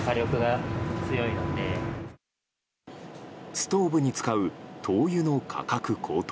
ストーブに使う灯油の価格高騰。